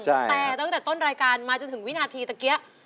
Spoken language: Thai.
แต่ตั้งแต่ต้นรายการมาจนถึงวินาทีตะเกี๊